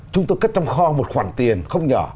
chúng tôi cất trong kho một khoản tiền không nhỏ